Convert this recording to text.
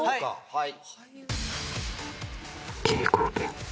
はい。